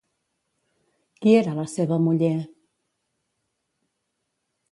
Qui era la seva muller?